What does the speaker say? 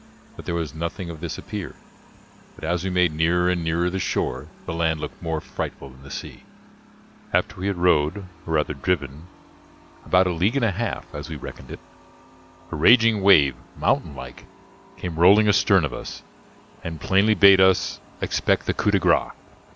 But there was nothing of this appeared; but as we made nearer and nearer the shore, the land looked more frightful than the sea. After we had rowed, or rather driven, about a league and a half, as we reckoned it, a raging wave, mountain like, came rolling astern of us, and plainly bade us expect the coup de grace.